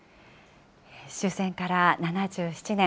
終戦から７７年。